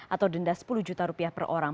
atau denda sepuluh juta rupiah per orang